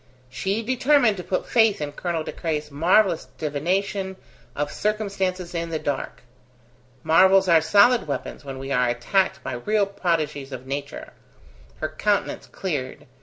She determined to put faith in Colonel De Craye's marvellous divination of circumstances in the dark. Marvels are solid weapons when we are attacked by real prodigies of nature. Her countenance cleared.